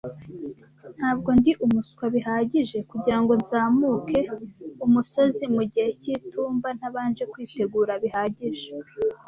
Ntabwo ndi umuswa bihagije kugirango nzamuke umusozi mugihe cyitumba ntabanje kwitegura bihagije.